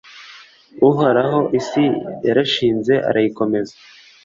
uhoraho isi yarayishinze arayikomeza